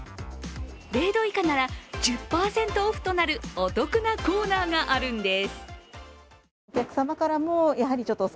０度以下なら、１０％オフとなるお得なコーナーがあるんです。